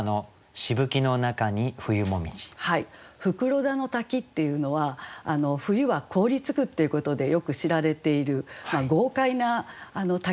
袋田の滝っていうのは冬は凍りつくっていうことでよく知られている豪快な滝ですよね。